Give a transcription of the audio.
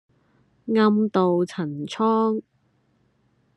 暗渡陳倉